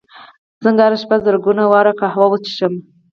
څنګه هره شپه زرګونه واره قهوه وڅښم